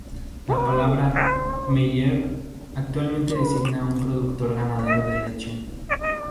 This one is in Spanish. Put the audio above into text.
La palabra "Meier" actualmente designa a un productor ganadero de leche.